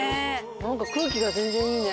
なんか空気が全然いいね。